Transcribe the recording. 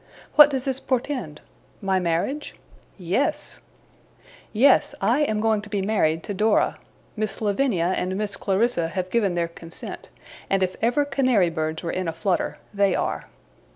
What does this portend? My marriage? Yes! Yes! I am going to be married to Dora! Miss Lavinia and Miss Clarissa have given their consent; and if ever canary birds were in a flutter, they are.